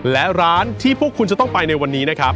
และร้านที่พวกคุณจะต้องไปในวันนี้นะครับ